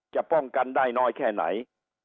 จะป้องกันได้น้อยแค่ไหน